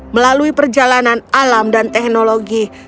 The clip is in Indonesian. melalui perjalanan alam dan teknologi